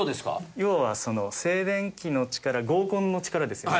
要はその静電気の力合コンの力ですよね。